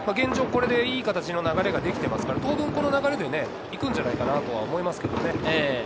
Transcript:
これでいい形の流れができてるので、今後もこの流れで行くんじゃないかなと思いますけどね。